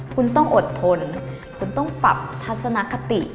คุณต้องอดทนคุณต้องปรับทัศนคติ